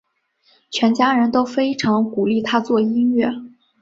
全家人都非常鼓励他做音乐。